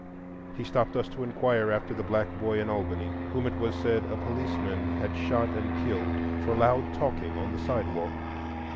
He stopped us to inquire after the black boy in Albany, whom it was said a policeman had shot and killed for loud talking on the sidewalk.